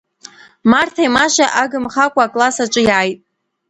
Марҭеи Машеи агымхакәа акласс аҿы иааит.